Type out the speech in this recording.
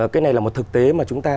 cái này là một thực tế mà chúng ta